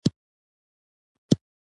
دا چې د یاد کتاب موضوع افغانستان کې د طالبانو